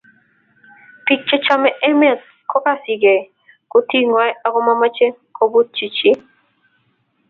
Bik chechomei emet kokasekei kutitngwai ako momoche kobut chi